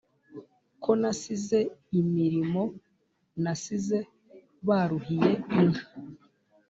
ko nasize imirimo, nasize baruhiye inka